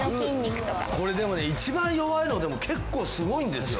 これでもね一番弱いのでも結構すごいんですよ。